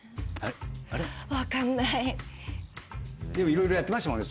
いろいろやってましたね